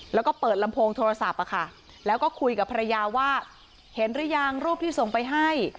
แล้วก็เปิดลำโพงโทรศัพท์แล้วก็คุยกับภรรยาว่าเห็นหรือยังรูปที่ส่งไปให้